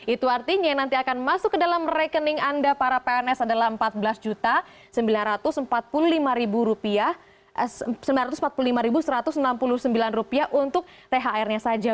itu artinya nanti akan masuk ke dalam rekening anda para pns adalah rp empat belas sembilan ratus empat puluh lima satu ratus enam puluh sembilan untuk thr nya saja